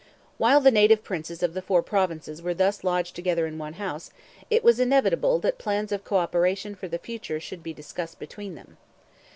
While the native Princes of the four Provinces were thus lodged together in one house, it was inevitable that plans of co operation for the future should be discussed between them.